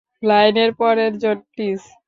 লাইনের পরের জন, প্লিজ।